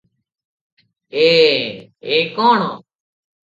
‘ଏଁ – ଏ କଅଣ?